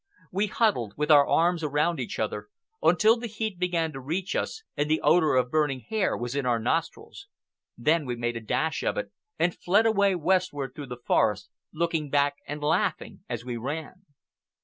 We huddled, with our arms around each other, until the heat began to reach us and the odor of burning hair was in our nostrils. Then we made a dash of it, and fled away westward through the forest, looking back and laughing as we ran.